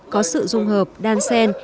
có sự dung hợp đan sen